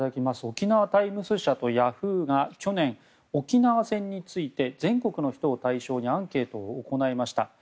沖縄タイムス社とヤフーが去年、沖縄戦について全国の人を対象にアンケートを行いました。